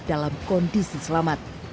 dalam kondisi selamat